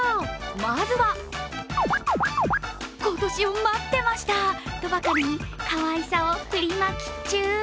まずは今年を待ってましたとばかりにかわいさを振りまき中。